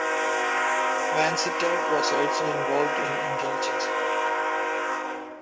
Vansittart was also involved in intelligence work.